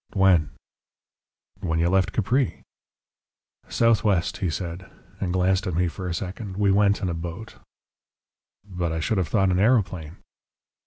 "When?" "When you left Capri." "Southwest," he said, and glanced at me for a second. "We went in a boat." "But I should have thought an aeroplane?"